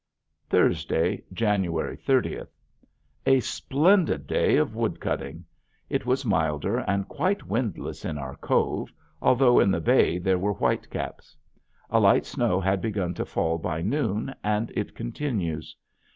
Thursday, January thirtieth. A splendid day of wood cutting. It was milder and quite windless in our cove, although in the bay there were whitecaps. A light snow had begun to fall by noon and it continues.